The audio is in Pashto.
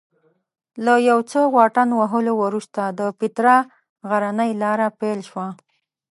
له یو څه واټن وهلو وروسته د پیترا غرنۍ لاره پیل شوه.